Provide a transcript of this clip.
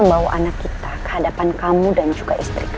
krank kok kembeng